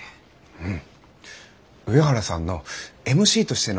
うん。